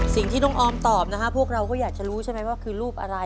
สิ่งที่น้องออมตอบนะฮะพวกเราก็อยากจะรู้ใช่ไหมว่าคือรูปอะไร